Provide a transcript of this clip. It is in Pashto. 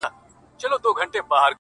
کله ادې لاندي، کله بابا.